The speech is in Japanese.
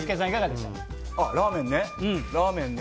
ラーメンね。